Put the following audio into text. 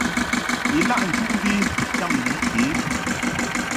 Ilaʼ nchuʼmvi cham yi ke.